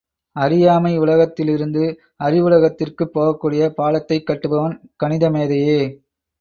அறியாமை யுலகத்திலிருந்து, அறிவுலகத்திற்குப் போகக்கூடிய பாலத்தைக் கட்டுபவன் கணிதமேதையே!